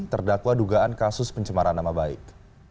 terdakwa dugaan kasus pencemaran nama baik